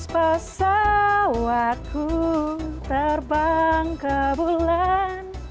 pesawatku terbang ke bulan